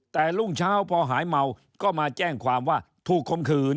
แต่รุ่งเช้าพอหายเมาก็มาแจ้งความว่าถูกคมขืน